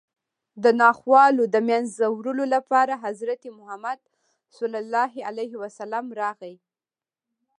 د ناخوالو د منځه وړلو لپاره حضرت محمد صلی الله علیه وسلم راغی